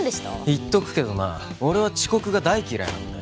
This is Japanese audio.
言っとくけどな俺は遅刻が大嫌いなんだよ